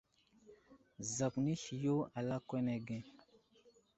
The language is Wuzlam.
Zakw nesliyo a lakwan age.